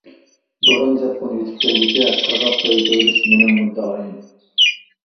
بوران-چاپقۇن يېتىپ كەلگۈچە قىرغاققا يېتىۋېلىش مېنىڭ مۇددىئايىم.